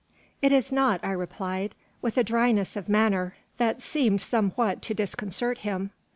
"It is not," I replied, with a dryness of manner that seemed somewhat to disconcert him.